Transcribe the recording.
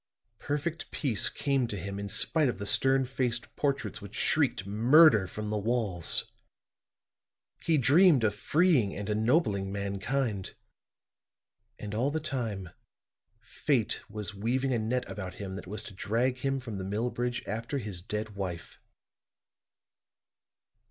Perfect peace came to him in spite of the stern faced portraits which shrieked murder from the walls. He dreamed of freeing and ennobling mankind, and all the time Fate was weaving a net about him that was to drag him from the mill bridge after his dead wife."